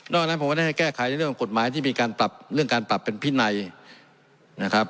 นั้นผมก็ได้ให้แก้ไขในเรื่องกฎหมายที่มีการปรับเรื่องการปรับเป็นพินัยนะครับ